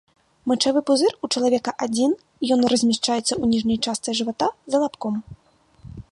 Мачавы пузыр у чалавека адзін, ён размяшчаецца ў ніжняй частцы жывата за лабком.